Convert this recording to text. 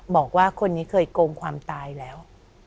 บอกว่าคนนี้เคยโกงความตายแล้ว